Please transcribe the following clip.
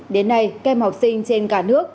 đến nay kem học sinh trên cả nước